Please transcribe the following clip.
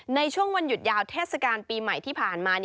ในช่วงวันหยุดยาวเทศกาลปีใหม่ที่ผ่านมา